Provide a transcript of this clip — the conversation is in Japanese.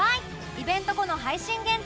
イベント後の配信限定